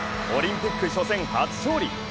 オリンピック初戦、初勝利！